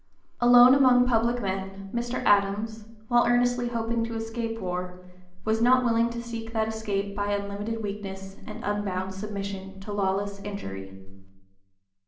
Alone among public men Mr. Adams, while earnestly hoping to escape war, was not willing to seek that escape by unlimited weakness and unbounded submission to lawless injury.